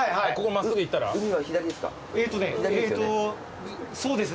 海は左ですか？